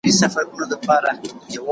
هغوی ته ښه راتلونکی جوړ کړئ.